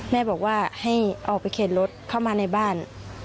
แม่บอกว่าให้ออกไปเข็นรถเข้ามาในบ้าน